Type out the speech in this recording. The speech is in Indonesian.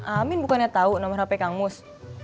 amin bukannya tau nomor hp kangmus